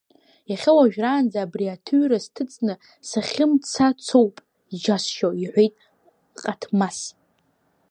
Иахьа уажәраанӡа абри аҭыҩра сҭыҵны сахьымцацоуп, иџьасшьо, – иҳәеит Ҟаҭмас.